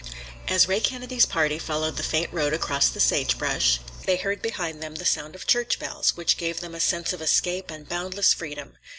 As Ray Kennedy's party followed the faint road across the sagebrush, they heard behind them the sound of church bells, which gave them a sense of escape and boundless freedom.